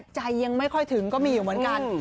ใจยังไม่ค่อยถึงก็มีอยู่เหมือนกัน